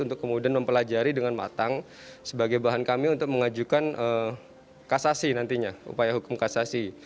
untuk kemudian mempelajari dengan matang sebagai bahan kami untuk mengajukan kasasi nantinya upaya hukum kasasi